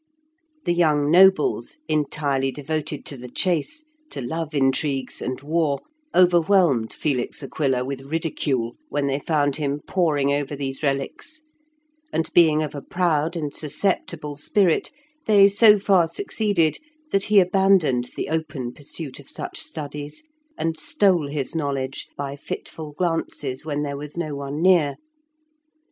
The young nobles, entirely devoted to the chase, to love intrigues, and war, overwhelmed Felix Aquila with ridicule when they found him poring over these relics, and being of a proud and susceptible spirit, they so far succeeded that he abandoned the open pursuit of such studies, and stole his knowledge by fitful glances when there was no one near.